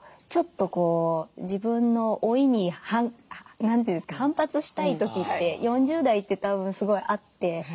ちょっとこう自分の老いに何て言うんですか反発したい時って４０代ってたぶんすごいあって。